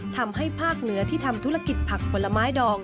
ภาคเหนือที่ทำธุรกิจผักผลไม้ดอง